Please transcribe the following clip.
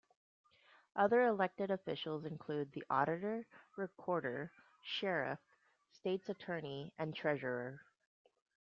Other elected officials include the auditor, recorder, sheriff, state's attorney, and treasurer.